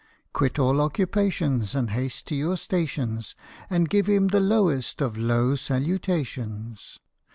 Quit all occupations, And haste to your stations, And give him the lowest of low salutations